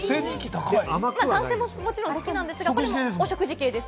男性ももちろん好きなんですが、お食事系です。